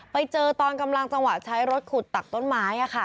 ไปเจอตอนกำลังจังหวะใช้รถขุดตักต้นไม้